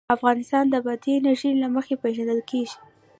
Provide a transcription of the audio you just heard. افغانستان د بادي انرژي له مخې پېژندل کېږي.